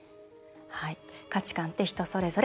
「価値感って人それぞれ。